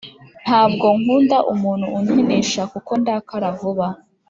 ntabwo nkunda umuntu unkinisha kuko ndakara vuba